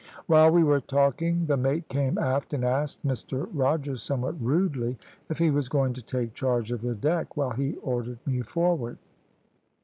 "While we were talking the mate came aft, and asked Mr Rogers, somewhat rudely, if he was going to take charge of the deck, while he ordered me forward.